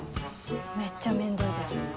めっちゃめんどいです。